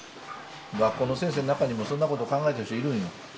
学校の先生の中にもそんなこと考えてる人いるんよ。